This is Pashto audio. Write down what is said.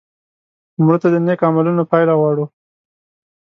مړه ته د نیک عملونو پایله غواړو